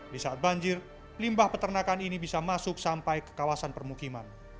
di saat banjir limbah peternakan ini bisa masuk sampai ke kawasan permukiman